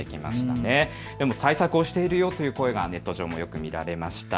対策をしているよという声がネット上、よく見られました。